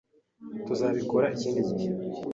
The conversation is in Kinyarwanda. Tuzabikora ikindi gihe.